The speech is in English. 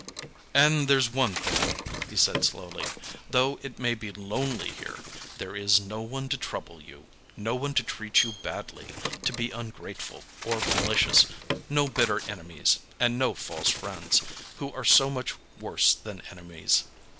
"And there's one thing," he said slowly—"though it may be lonely here, there is no one to trouble you; no one to treat you badly, to be ungrateful or malicious; no bitter enemies, and no false friends, who are so much worse than enemies.